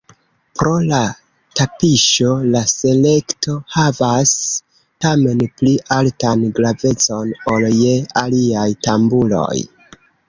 Pro la tapiŝo la selekto havas tamen pli altan gravecon ol je aliaj tamburoj.